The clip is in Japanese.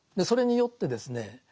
それによってですね